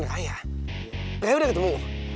raya udah ketemu